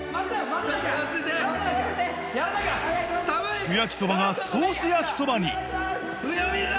素焼きそばがソース焼きそばに上を見るな！